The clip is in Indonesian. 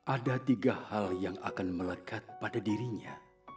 ada tiga hal yang akan melekat pada dirinya